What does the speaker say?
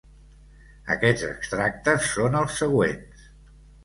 Aquests extractes són els següents.